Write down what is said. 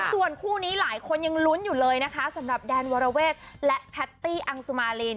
ส่วนคู่นี้หลายคนยังลุ้นอยู่เลยนะคะสำหรับแดนวรเวทและแพตตี้อังสุมาริน